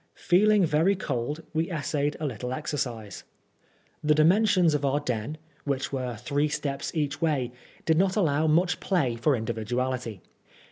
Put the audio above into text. Feeling very cold, we essayed a little exercise. The dimensions of our den, which were three steps each way, did not allow much play for individuality.